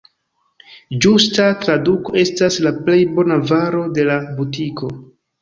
Ĝusta traduko estas «la plej bona varo de la butiko».